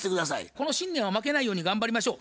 この信念は負けないように頑張りましょう。